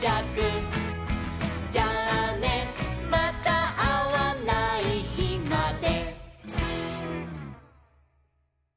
「じゃあねまたあわないひまで」